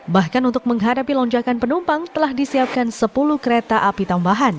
bahkan untuk menghadapi lonjakan penumpang telah disiapkan sepuluh kereta api tambahan